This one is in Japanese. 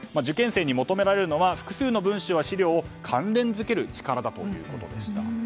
受験生に求められるのは複数の文章や資料を関連付ける力だということです。